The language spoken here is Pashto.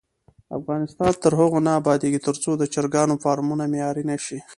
افغانستان تر هغو نه ابادیږي، ترڅو د چرګانو فارمونه معیاري نشي.